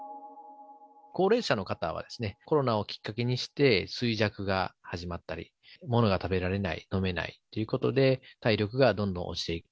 高齢者の方は、コロナをきっかけにして、衰弱が始まったり、物が食べられない、飲めないということで、体力がどんどん落ちていく。